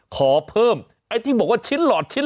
ขอเพิ่มไอ้ที่บอกว่าชิ้นหลอดชิ้น